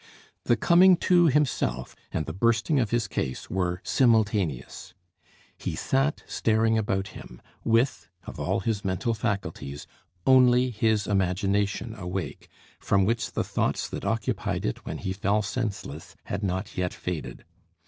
The coming to himself and the bursting of his case were simultaneous. He sat staring about him, with, of all his mental faculties, only his imagination awake, from which the thoughts that occupied it when he fell senseless had not yet faded.